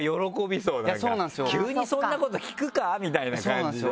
「急にそんなこと聞くか？」みたいな感じで。